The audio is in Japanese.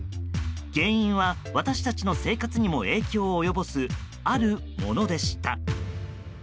原因は、私たちの生活にも影響を及ぼすあるものでした。